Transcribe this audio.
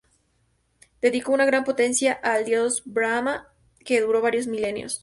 Dedicó una gran penitencia al dios Brahmá, que duró varios milenios.